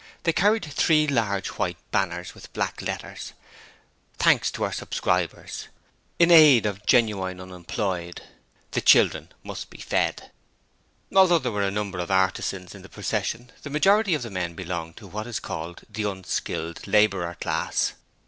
They carried three large white banners with black letters, 'Thanks to our Subscribers' 'In aid of Genuine Unemployed', 'The Children must be Fed'. Although there were a number of artisans in the procession, the majority of the men belonged to what is called the unskilled labourer class.